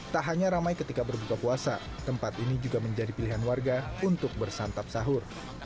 tak hanya ramai ketika berbuka puasa tempat ini juga menjadi pilihan warga untuk bersantap sahur